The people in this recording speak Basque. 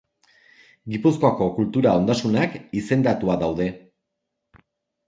Gipuzkoako kultura ondasunak izendatua daude.